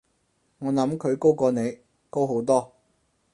我諗佢高過你，高好多